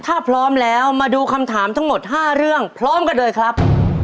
ถ้าพร้อมแล้วมาดูคำถามทั้งหมด๕เรื่องพร้อมกันเลยครับ